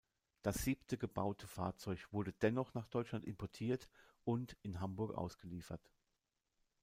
Das siebte gebaute Fahrzeug wurde dennoch nach Deutschland importiert und in Hamburg ausgeliefert.